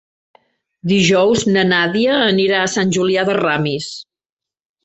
Dijous na Nàdia anirà a Sant Julià de Ramis.